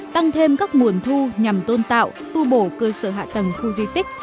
tăng thêm các nguồn thu nhằm tôn tạo tu bổ cơ sở hạ tầng khu di tích